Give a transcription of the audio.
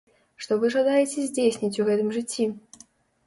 Што вы жадаеце здзейсніць у гэтым жыцці?